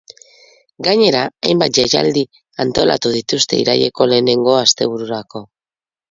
Gainera, hainbat jaialdi antolatu dituzte iraileko lehenengo astebururako.